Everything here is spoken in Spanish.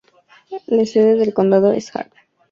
La sede del condado es Hart.